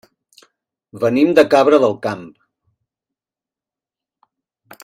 Venim de Cabra del Camp.